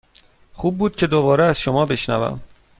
خوب بود که دوباره از شما بشنوم.